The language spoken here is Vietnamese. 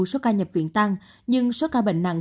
số ca nhập viện tăng nhưng số ca bệnh nặng